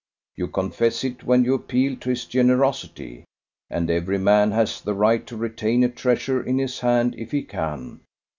You confess it when you appeal to his generosity. And every man has the right to retain a treasure in his hand if he can.